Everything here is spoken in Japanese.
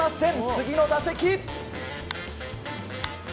次の打席。